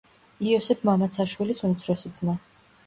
იოსებ მამაცაშვილის უმცროსი ძმა.